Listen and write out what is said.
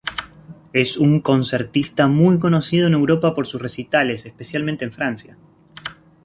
Es un concertista muy conocido en Europa por sus recitales, especialmente en Francia.